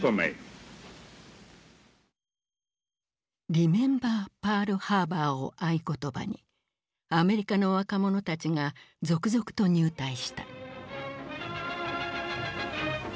「リメンバー・パールハーバー」を合言葉にアメリカの若者たちが続々と入隊した。